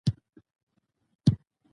او راز راز میوې لري.